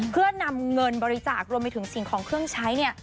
เพื่อนำเงินบริจาครวมไปถึงสิ่งของเครื่องใช้เนี่ย